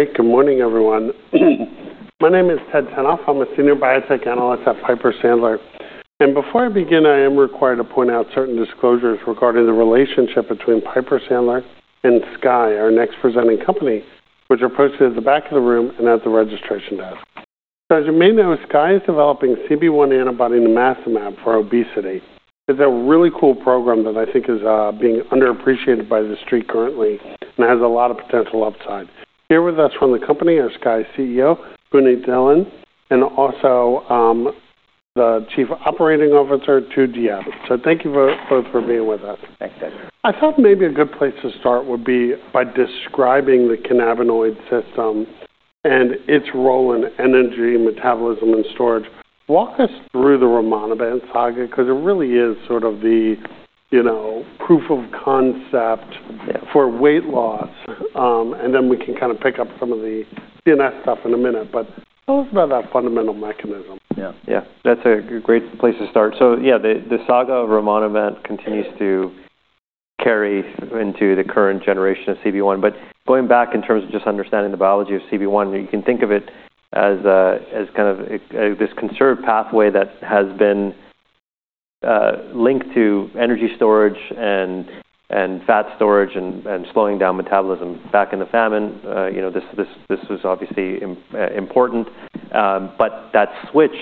Great. Good morning, everyone. My name is Ted Tenthoff. I'm a Senior Biotech Analyst at Piper Sandler, and before I begin, I am required to point out certain disclosures regarding the relationship between Piper Sandler and Skye, our next presenting company, which are posted at the back of the room and at the registration desk. As you may know, Skye is developing CB1 antibody and nimacimab for obesity. It's a really cool program that I think is being underappreciated by the street currently and has a lot of potential upside. Here with us from the company are Skye's CEO, Punit Dhillon, and also the Chief Operating Officer, Tu Diep. Thank you both for being with us. Thanks, Ted. I thought maybe a good place to start would be by describing the cannabinoid system and its role in energy, metabolism, and storage. Walk us through the rimonabant saga because it really is sort of the proof of concept for weight loss. And then we can kind of pick up some of the CNS stuff in a minute. But tell us about that fundamental mechanism. Yeah. That's a great place to start. Yeah, the saga of rimonabant continues to carry into the current generation of CB1. But going back in terms of just understanding the biology of CB1, you can think of it as kind of this conserved pathway that has been linked to energy storage and fat storage and slowing down metabolism. Back in the famine, this was obviously important. But that switch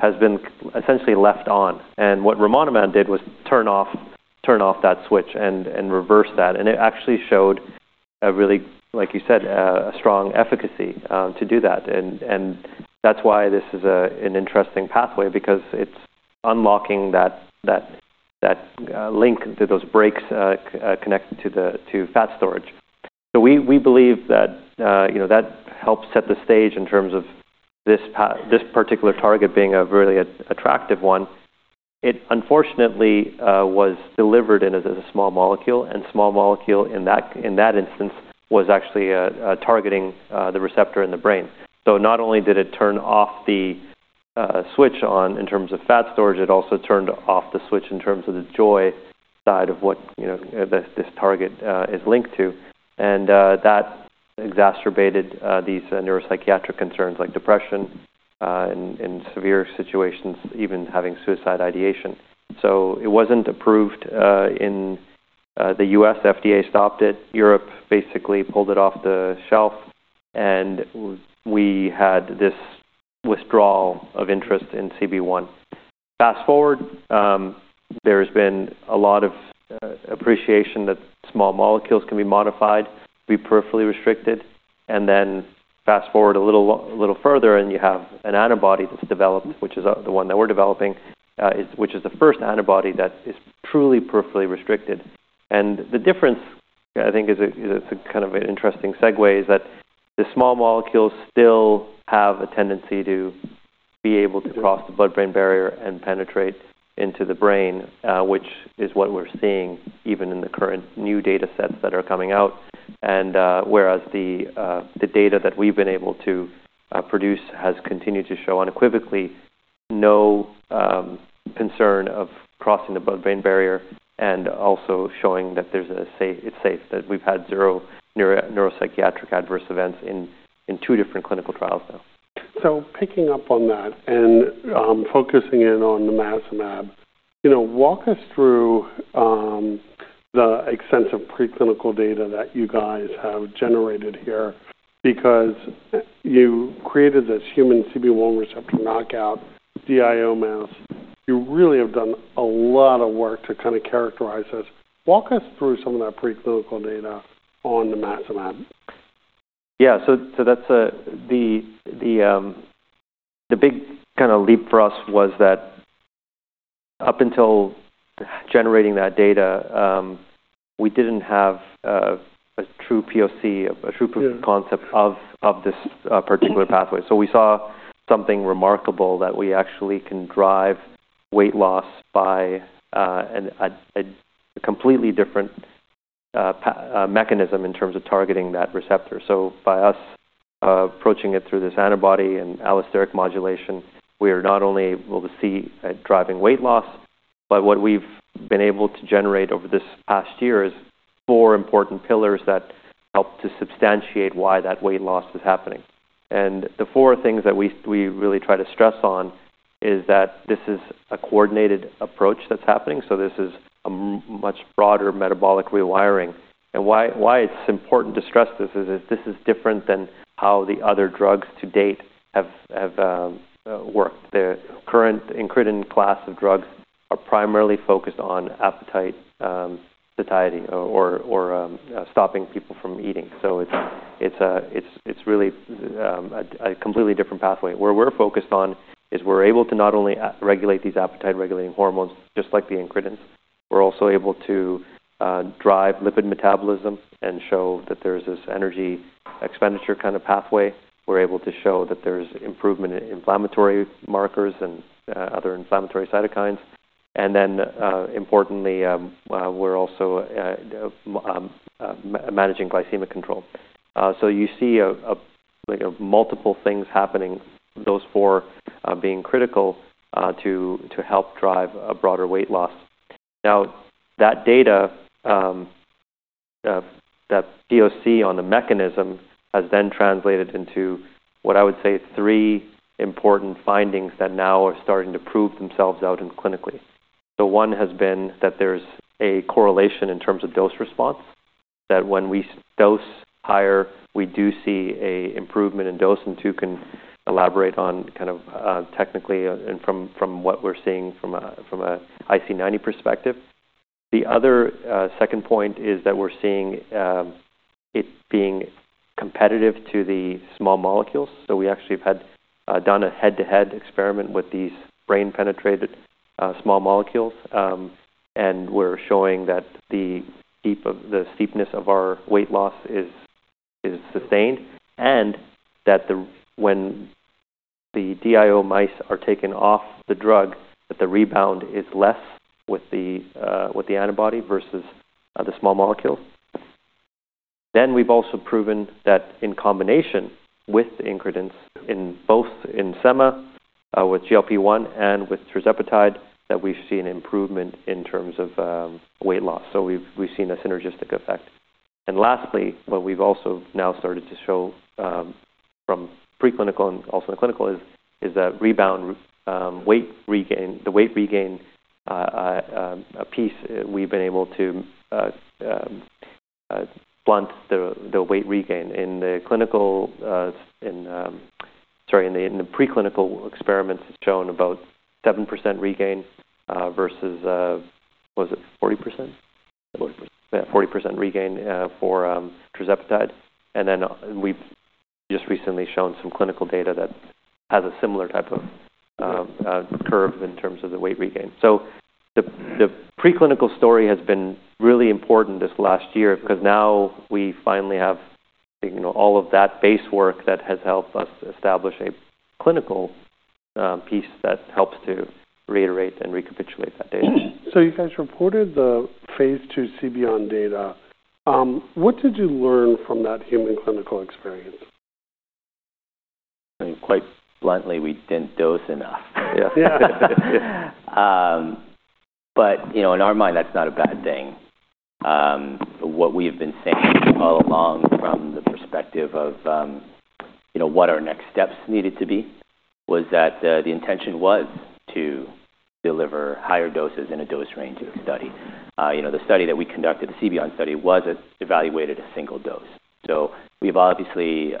has been essentially left on. And what rimonabant did was turn off that switch and reverse that. And it actually showed, like you said, a strong efficacy to do that. And that's why this is an interesting pathway because it's unlocking that link, that those brakes connect to fat storage. We believe that that helps set the stage in terms of this particular target being a really attractive one. It, unfortunately, was delivered as a small molecule, and small molecule in that instance was actually targeting the receptor in the brain, so not only did it turn off the switch on in terms of fat storage, it also turned off the switch in terms of the joy side of what this target is linked to, and that exacerbated these neuropsychiatric concerns like depression in severe situations, even having suicide ideation. It wasn't approved in the U.S. FDA stopped it. Europe basically pulled it off the shelf, and we had this withdrawal of interest in CB1. Fast forward, there has been a lot of appreciation that small molecules can be modified, be peripherally restricted, and then fast forward a little further, and you have an antibody that's developed, which is the one that we're developing, which is the first antibody that is truly peripherally restricted. The difference, I think, is it's kind of an interesting segue is that the small molecules still have a tendency to be able to cross the blood-brain barrier and penetrate into the brain, which is what we're seeing even in the current new data sets that are coming out. Whereas the data that we've been able to produce has continued to show unequivocally no concern of crossing the blood-brain barrier and also showing that it's safe, that we've had zero neuropsychiatric adverse events in two different clinical trials now. Picking up on that and focusing in on the nimacimab, walk us through the extensive preclinical data that you guys have generated here because you created this human CB1 receptor knockout, DIO mice. You really have done a lot of work to kind of characterize this. Walk us through some of that preclinical data on the nimacimab. Yeah. The big kind of leap for us was that up until generating that data, we didn't have a true POC, a true proof of concept of this particular pathway. We saw something remarkable that we actually can drive weight loss by a completely different mechanism in terms of targeting that receptor. By us approaching it through this antibody and allosteric modulation, we are not only able to see driving weight loss, but what we've been able to generate over this past year is four important pillars that help to substantiate why that weight loss is happening. And the four things that we really try to stress on is that this is a coordinated approach that's happening. This is a much broader metabolic rewiring. And why it's important to stress this is this is different than how the other drugs to date have worked. The current incretin class of drugs are primarily focused on appetite satiety or stopping people from eating. It's really a completely different pathway. Where we're focused on is we're able to not only regulate these appetite-regulating hormones, just like the incretins, we're also able to drive lipid metabolism and show that there's this energy expenditure kind of pathway. We're able to show that there's improvement in inflammatory markers and other inflammatory cytokines. And then, importantly, we're also managing glycemic control. You see multiple things happening, those four being critical to help drive a broader weight loss. Now, that data, that POC on the mechanism has then translated into what I would say three important findings that now are starting to prove themselves out clinically. One has been that there's a correlation in terms of dose response, that when we dose higher, we do see an improvement in dose. Tu can elaborate on kind of technically and from what we're seeing from an IC90 perspective. The other second point is that we're seeing it being competitive to the small molecules. We actually have done a head-to-head experiment with these brain-penetrated small molecules. We're showing that the steepness of our weight loss is sustained and that when the DIO mice are taken off the drug, that the rebound is less with the antibody versus the small molecules. We've also proven that in combination with incretins in both semaglutide with GLP-1 and with tirzepatide, that we've seen improvement in terms of weight loss. We've seen a synergistic effect. Lastly, what we've also now started to show from preclinical and also in clinical is that rebound weight regain, the weight regain piece, we've been able to blunt the weight regain. In the clinical, sorry, in the preclinical experiments, it's shown about 7% regain versus, was it 40%? 40%. Yeah, 40% regain for tirzepatide. And then we've just recently shown some clinical data that has a similar type of curve in terms of the weight regain. The preclinical story has been really important this last year because now we finally have all of that base work that has helped us establish a clinical piece that helps to reiterate and recapitulate that data. You guys reported the Phase II CB1 data. What did you learn from that human clinical experience? I mean, quite bluntly, we didn't dose enough. Yeah. But in our mind, that's not a bad thing. What we have been saying all along from the perspective of what our next steps needed to be was that the intention was to deliver higher doses in a dose range of the study. The study that we conducted, the CB1 study, was evaluated a single dose. We've obviously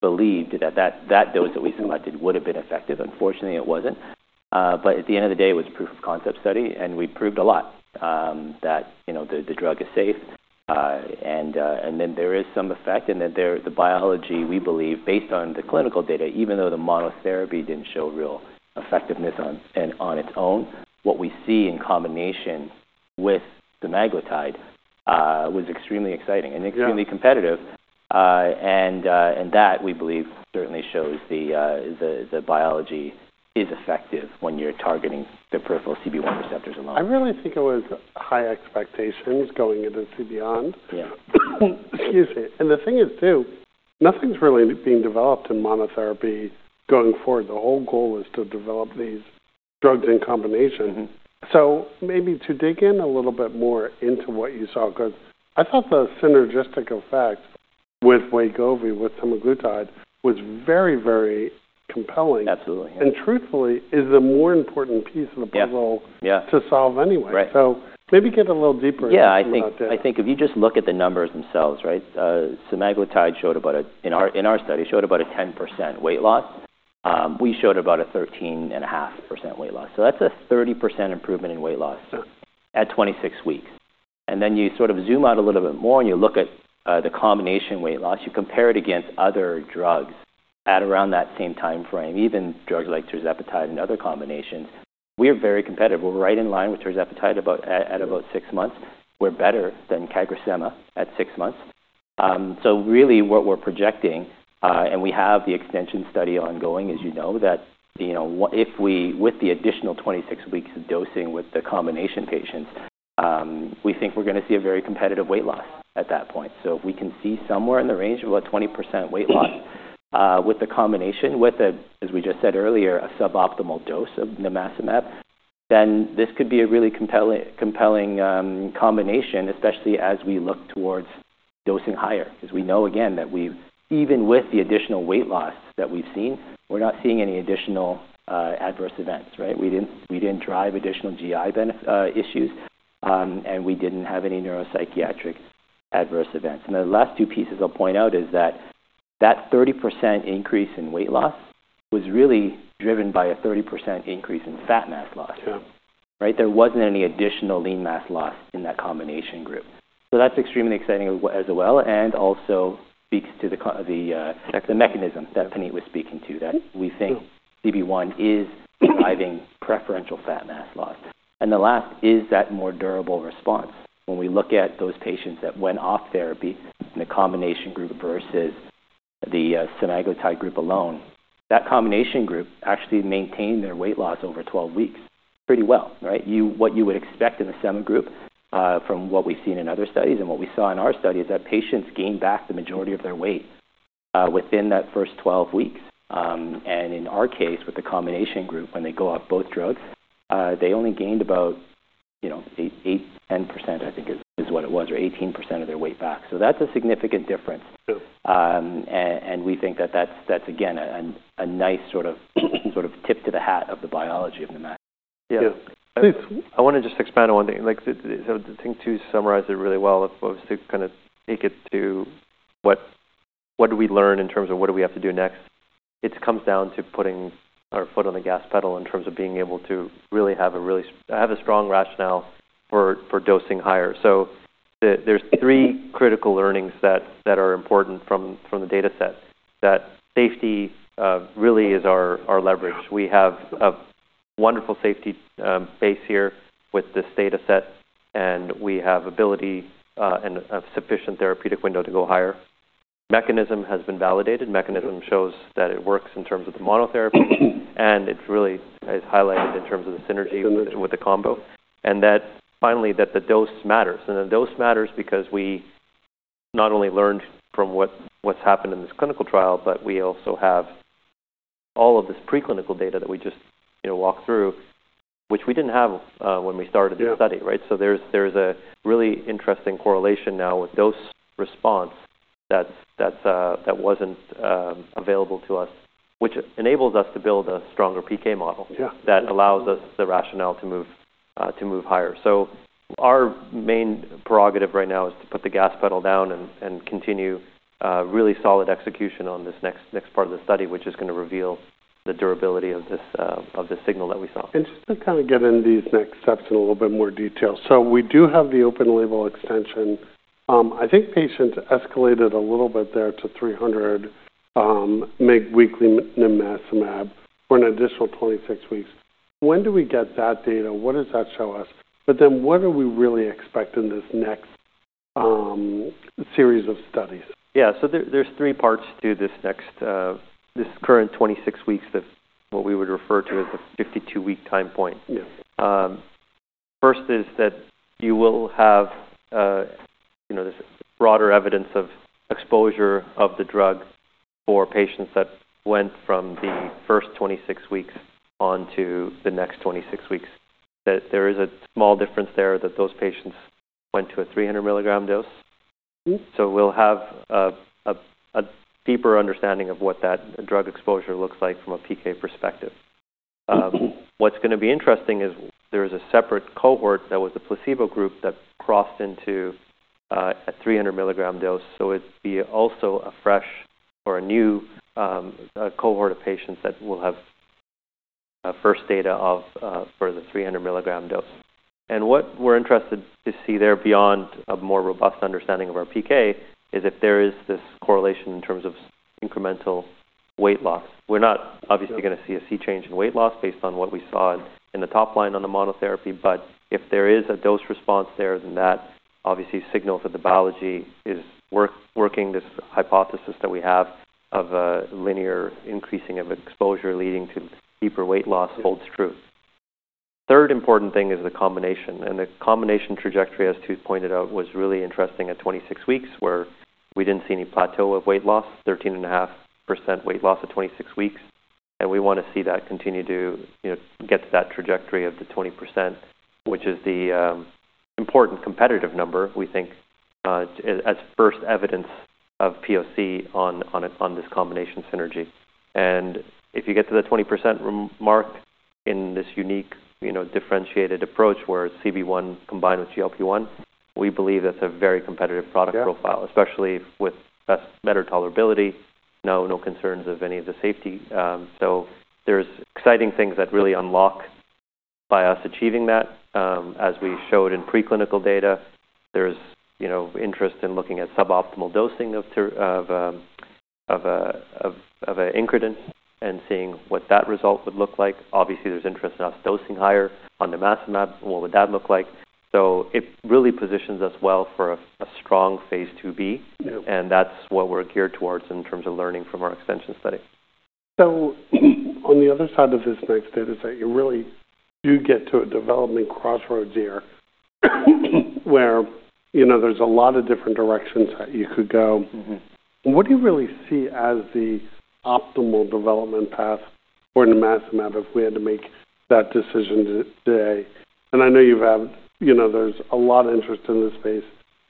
believed that that dose that we selected would have been effective. Unfortunately, it wasn't. But at the end of the day, it was a proof of concept study. And we proved a lot that the drug is safe. And then there is some effect. And then the biology, we believe, based on the clinical data, even though the monotherapy didn't show real effectiveness on its own, what we see in combination with the tirzepatide was extremely exciting and extremely competitive. That, we believe, certainly shows the biology is effective when you're targeting the peripheral CB1 receptors alone. I really think it was high expectations going into CB1. Yeah. Excuse me. And the thing is, too, nothing's really being developed in monotherapy going forward. The whole goal is to develop these drugs in combination. Maybe to dig in a little bit more into what you saw, because I thought the synergistic effect with Wegovy, with semaglutide, was very, very compelling. Absolutely. And truthfully, is the more important piece of the puzzle to solve anyway. Right. Maybe get a little deeper into monotherapy. Yeah. I think if you just look at the numbers themselves, right, semaglutide showed about, in our study, showed about a 10% weight loss. We showed about a 13.5% weight loss. That's a 30% improvement in weight loss at 26 weeks. And then you sort of zoom out a little bit more and you look at the combination weight loss, you compare it against other drugs at around that same time frame, even drugs like tirzepatide and other combinations, we are very competitive. We're right in line with tirzepatide at about six months. We're better than CagriSema at six months. What we're projecting, and we have the extension study ongoing, as you know, that if we, with the additional 26 weeks of dosing with the combination patients, we think we're going to see a very competitive weight loss at that point. If we can see somewhere in the range of about 20% weight loss with the combination, with, as we just said earlier, a suboptimal dose of the nimacimab, then this could be a really compelling combination, especially as we look towards dosing higher, because we know, again, that even with the additional weight loss that we've seen, we're not seeing any additional adverse events, right? We didn't drive additional GI issues, and we didn't have any neuropsychiatric adverse events, and the last two pieces I'll point out is that that 30% increase in weight loss was really driven by a 30% increase in fat mass loss. Yeah. Right? There wasn't any additional lean mass loss in that combination group. That's extremely exciting as well and also speaks to the mechanism that Punit was speaking to, that we think CB1 is driving preferential fat mass loss. And the last is that more durable response. When we look at those patients that went off therapy in the combination group versus the semaglutide group alone, that combination group actually maintained their weight loss over 12 weeks pretty well, right? What you would expect in the Sema group, from what we've seen in other studies and what we saw in our study, is that patients gained back the majority of their weight within that first 12 weeks. And in our case, with the combination group, when they go off both drugs, they only gained about 8-10%, I think is what it was, or 18% of their weight back. That's a significant difference. True. And we think that that's, again, a nice sort of tip of the hat to the biology of the CB1. Yeah. I want to just expand on one thing. The thing to summarize it really well was to kind of take it to what do we learn in terms of what do we have to do next? It comes down to putting our foot on the gas pedal in terms of being able to really have a strong rationale for dosing higher. There's three critical learnings that are important from the data set that safety really is our leverage. We have a wonderful safety base here with this data set. And we have ability and a sufficient therapeutic window to go higher. Mechanism has been validated. Mechanism shows that it works in terms of the monotherapy. And it really is highlighted in terms of the synergy with the combo. And that finally, that the dose matters. The dose matters because we not only learned from what's happened in this clinical trial, but we also have all of this preclinical data that we just walked through, which we didn't have when we started the study, right? There's a really interesting correlation now with dose response that wasn't available to us, which enables us to build a stronger PK model that allows us the rationale to move higher. Our main prerogative right now is to put the gas pedal down and continue really solid execution on this next part of the study, which is going to reveal the durability of this signal that we saw. Interesting to kind of get into these next steps in a little bit more detail. We do have the open-label extension. I think patients escalated a little bit there to 300 weekly nimacimab for an additional 26 weeks. When do we get that data? What does that show us? But then what do we really expect in this next series of studies? Yeah, so there's three parts to this next, this current 26 weeks of what we would refer to as the 52-week time point. Yeah. First is that you will have this broader evidence of exposure of the drug for patients that went from the first 26 weeks onto the next 26 weeks. There is a small difference there that those patients went to a 300 milligram dose. We'll have a deeper understanding of what that drug exposure looks like from a PK perspective. What's going to be interesting is there is a separate cohort that was the placebo group that crossed into a 300 milligram dose. It'd be also a fresh or a new cohort of patients that will have first data for the 300 milligram dose. And what we're interested to see there beyond a more robust understanding of our PK is if there is this correlation in terms of incremental weight loss. We're not obviously going to see a sea change in weight loss based on what we saw in the top line on the monotherapy. But if there is a dose response there, then that obviously signals that the biology is working. This hypothesis that we have of a linear increasing of exposure leading to deeper weight loss holds true. Third important thing is the combination. And the combination trajectory, as Tu pointed out, was really interesting at 26 weeks where we didn't see any plateau of weight loss, 13.5% weight loss at 26 weeks. And we want to see that continue to get to that trajectory of the 20%, which is the important competitive number, we think, as first evidence of POC on this combination synergy. If you get to the 20% mark in this unique differentiated approach where CB1 combined with GLP-1, we believe that's a very competitive product profile, especially with better tolerability. No concerns of any of the safety. There's exciting things that really unlock by us achieving that. As we showed in preclinical data, there's interest in looking at suboptimal dosing of an incretins and seeing what that result would look like. Obviously, there's interest in us dosing higher on the nimacimab. What would that look like? It really positions us well for a strong Phase II-B. Yeah. That's what we're geared towards in terms of learning from our extension study. On the other side of this next data set, you really do get to a development crossroads here where there's a lot of different directions that you could go. What do you really see as the optimal development path for nimacimab if we had to make that decision today? And I know you've had, there's a lot of interest in this space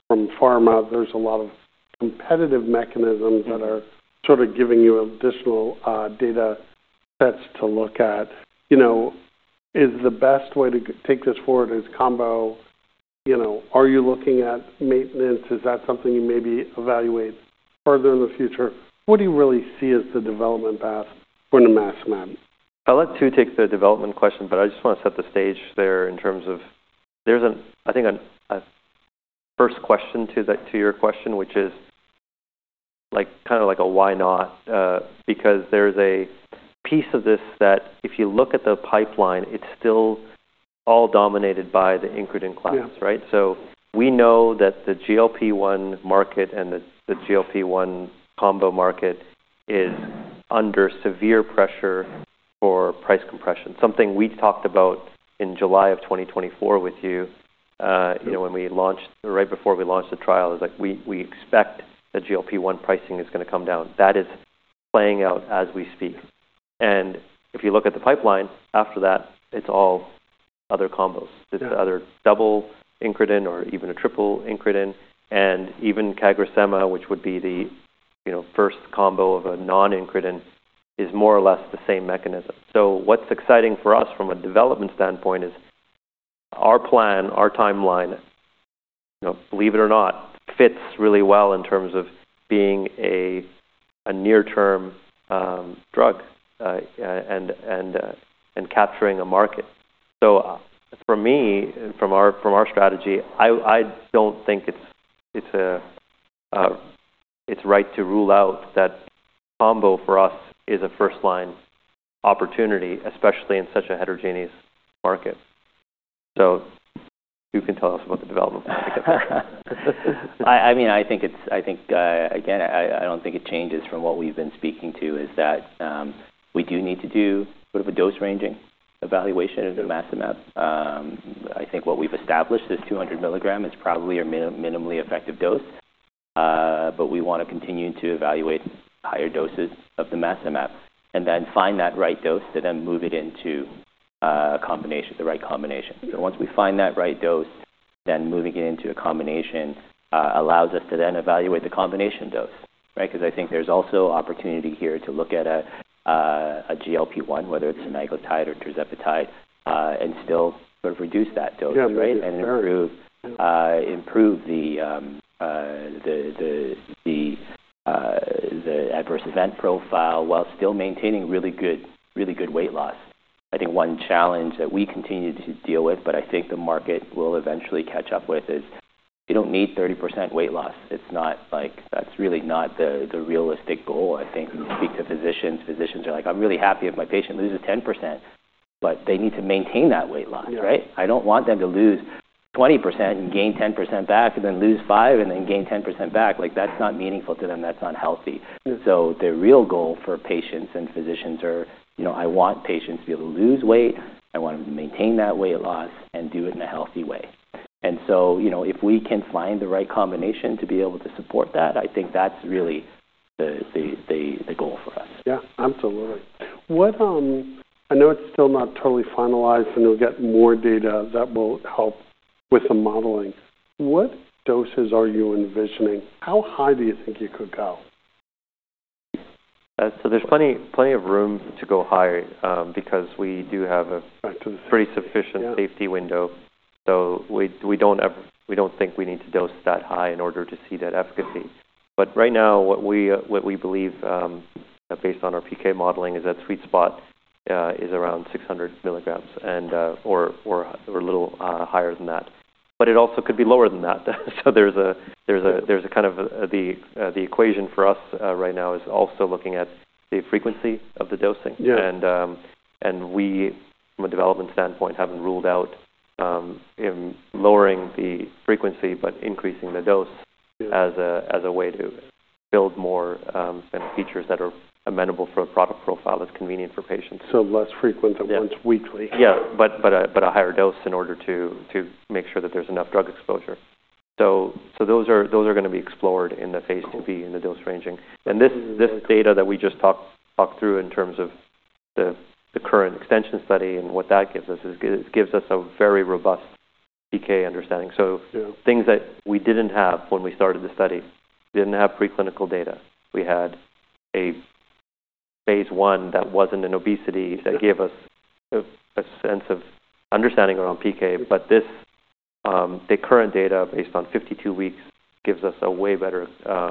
from pharma. There's a lot of competitive mechanisms that are sort of giving you additional data sets to look at. Is the best way to take this forward is combo? Are you looking at maintenance? Is that something you maybe evaluate further in the future? What do you really see as the development path for nimacimab? I'll let Tu take the development question. But I just want to set the stage there in terms of there's, I think, a first question to your question, which is kind of like a why not, because there's a piece of this that if you look at the pipeline, it's still all dominated by the incretin class, right? Yeah. We know that the GLP-1 market and the GLP-1 combo market is under severe pressure for price compression, something we talked about in July of 2024 with you when we launched, right before we launched the trial. It was like, we expect that GLP-1 pricing is going to come down. That is playing out as we speak, and if you look at the pipeline after that, it's all other combos, just other double incretins or even a triple incretins, and even CagriSema, which would be the first combo of a non-incretin, is more or less the same mechanism, so what's exciting for us from a development standpoint is our plan, our timeline, believe it or not, fits really well in terms of being a near-term drug and capturing a market. For me, from our strategy, I don't think it's right to rule out that combo for us is a first-line opportunity, especially in such a heterogeneous market. You can tell us about the development. I mean, I think, again, I don't think it changes from what we've been speaking to is that we do need to do sort of a dose ranging evaluation of nimacimab. I think what we've established is 200 milligram is probably our minimally effective dose. But we want to continue to evaluate higher doses of nimacimab and then find that right dose to then move it into the right combination. Once we find that right dose, then moving it into a combination allows us to then evaluate the combination dose, right Because I think there's also opportunity here to look at a GLP-1, whether it's semaglutide or tirzepatide, and still sort of reduce that dose, right? Yeah. Improve the adverse event profile while still maintaining really good weight loss. I think one challenge that we continue to deal with, but I think the market will eventually catch up with, is we don't need 30% weight loss. It's not like, that's really not the realistic goal, I think, when you speak to physicians. Physicians are like, "I'm really happy if my patient loses 10%." But they need to maintain that weight loss, right? Yeah. I don't want them to lose 20% and gain 10% back, and then lose 5% and then gain 10% back. That's not meaningful to them. That's not healthy. The real goal for patients and physicians are, I want patients to be able to lose weight. I want them to maintain that weight loss and do it in a healthy way. If we can find the right combination to be able to support that, I think that's really the goal for us. Yeah. Absolutely. I know it's still not totally finalized, and we'll get more data that will help with the modeling. What doses are you envisioning? How high do you think you could go? There's plenty of room to go higher because we do have a pretty sufficient safety window. We don't think we need to dose that high in order to see that efficacy. But right now, what we believe, based on our PK modeling, is that sweet spot is around 600 milligrams or a little higher than that. But it also could be lower than that. There's a kind of the equation for us right now is also looking at the frequency of the dosing. Yeah. We, from a development standpoint, haven't ruled out lowering the frequency but increasing the dose as a way to build more features that are amenable for a product profile that's convenient for patients. Less frequent than once weekly. Yeah. But a higher dose in order to make sure that there's enough drug exposure. Those are going to be explored in the Phase II-B in the dose ranging. And this data that we just talked through in terms of the current extension study and what that gives us is it gives us a very robust PK understanding. Things that we didn't have when we started the study, we didn't have preclinical data. We had a Phase I that wasn't an obesity that gave us a sense of understanding around PK. But the current data based on 52 weeks gives us a way better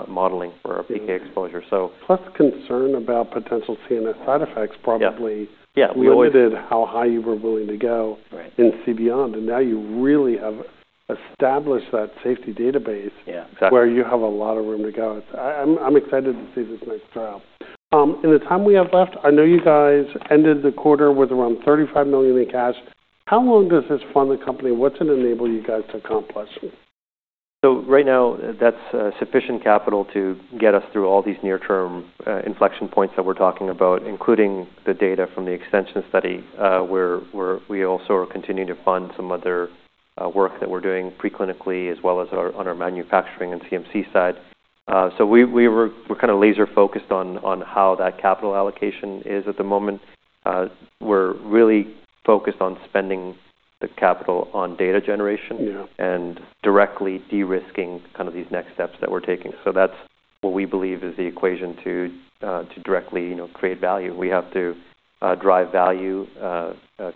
modeling for our PK exposure. So. Plus concern about potential CNS side effects, probably. Yeah. We always did how high you were willing to go in CB1. And now you really have established that safety database. Yeah. Exactly. Where you have a lot of room to go. I'm excited to see this next trial. In the time we have left, I know you guys ended the quarter with around $35 million in cash. How long does this fund the company? What's it enable you guys to accomplish? Right now, that's sufficient capital to get us through all these near-term inflection points that we're talking about, including the data from the extension study where we also are continuing to fund some other work that we're doing preclinically as well as on our manufacturing and CMC side. We're kind of laser-focused on how that capital allocation is at the moment. We're really focused on spending the capital on data generation and directly de-risking kind of these next steps that we're taking. That's what we believe is the equation to directly create value. We have to drive value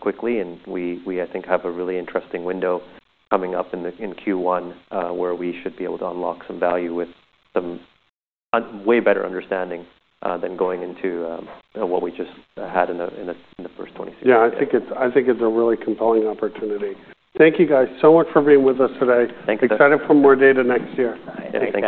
quickly, and we, I think, have a really interesting window coming up in Q1 where we should be able to unlock some value with some way better understanding than going into what we just had in the first 26. Yeah. I think it's a really compelling opportunity. Thank you guys so much for being with us today. Thank you. Excited for more data next year. Thanks.